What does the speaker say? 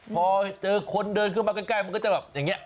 พอเจอคนเดินเข้ามาใกล้มันก็จะแบบอย่างนี้